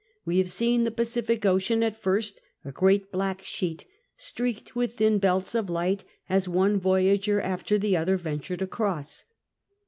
We have seen the Pacific Ocean at first a great black sheet, streaked with thin belts of light as one voyager after the other ventured across.